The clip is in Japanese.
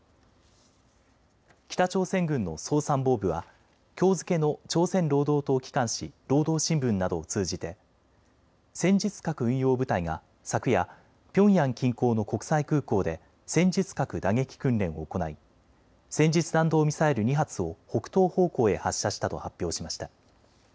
北朝鮮軍の総参謀部はきょう付けの朝鮮労働党機関紙、労働新聞などを通じて戦術核運用部隊が昨夜、ピョンヤン近郊の国際空港で戦術核打撃訓練を行い戦術弾道ミサイル２発を北東方向へ発射したと発表しました。